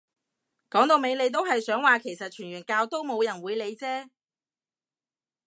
講到尾你都係想話其實傳完教都冇人會理啫